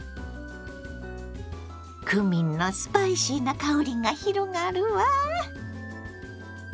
クミンのスパイシーな香りが広がるわ！